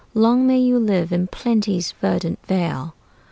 Long may you live in plenty's verdant vale.